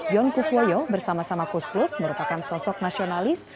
yon kuswoyo bersama sama kus plus merupakan sosok nasionalis